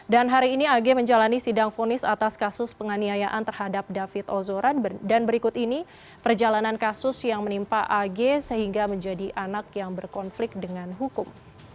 dan hari ini ag menjalani sidang fonis atas kasus penganiayaan terhadap david ozoran dan berikut ini perjalanan kasus yang menimpa ag sehingga menjadi anak yang berkonflik dengan hukum